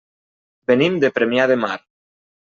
Venim de Premià de Mar.